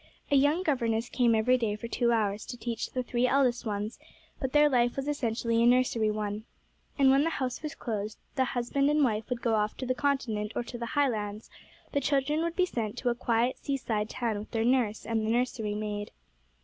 A young governess came every day for two hours to teach the three eldest ones, but their life was essentially a nursery one. And when the House was closed, and the husband and wife would go off to the Continent or to the Highlands, the children would be sent to a quiet seaside town with their nurse and the nursery maid.